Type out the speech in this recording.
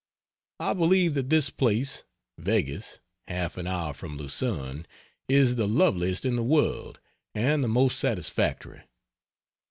I believe that this place (Weggis, half an hour from Lucerne,) is the loveliest in the world, and the most satisfactory.